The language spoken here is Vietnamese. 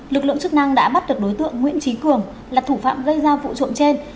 lực lượng chức năng đã bắt được đối tượng nguyễn trí cường là thủ phạm gây ra vụ trộm trên